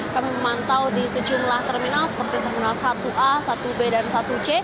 kami memantau di sejumlah terminal seperti terminal satu a satu b dan satu c